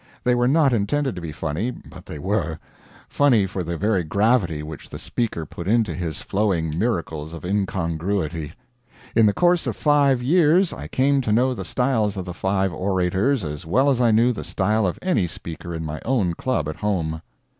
They were not intended to be funny, but they were, funny for the very gravity which the speaker put into his flowing miracles of incongruity. In the course of five years I came to know the styles of the five orators as well as I knew the style of any speaker in my own club at home.